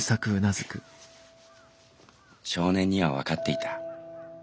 「少年には分かっていた。